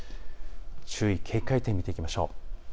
注意、警戒点見ていきましょう。